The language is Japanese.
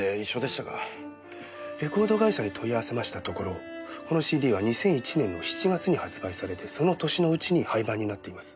レコード会社に問い合わせましたところこのＣＤは２００１年の７月に発売されてその年のうちに廃盤になっています。